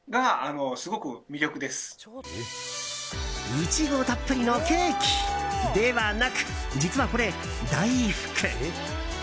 イチゴたっぷりのケーキではなく実はこれ、大福。